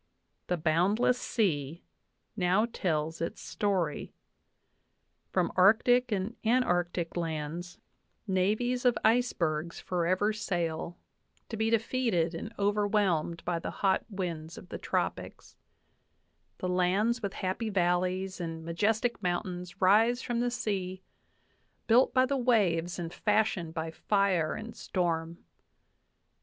The boundless sea now tells its story. From arctic and antarctic lands navies of 75 NATIONAL ACADEMY BIOGRAPHICAL MEMOIRS VOL. VIII icebergs forever sail, to be defeated and overwhelmed by the hot winds of the tropics. The lands with happy valleys and majestic mountains rise from the sea, built by the waves and fashioned by fire and storm.